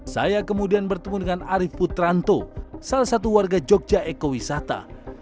saya kemudian bertemu dengan arief putranto salah satu warga jogja ekowisata